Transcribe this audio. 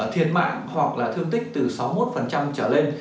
thiệt mạng hoặc là thương tích từ sáu mươi một trở lên